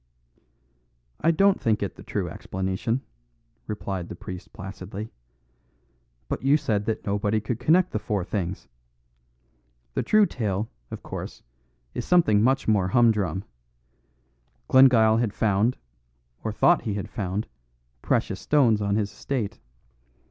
"I don't think it the true explanation," replied the priest placidly; "but you said that nobody could connect the four things. The true tale, of course, is something much more humdrum. Glengyle had found, or thought he had found, precious stones on his estate.